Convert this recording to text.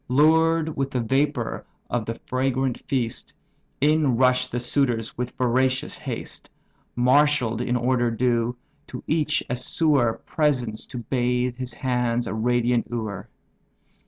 Lured with the vapour of the fragrant feast, In rush'd the suitors with voracious haste; Marshall'd in order due, to each a sewer Presents, to bathe his hands, a radiant ewer.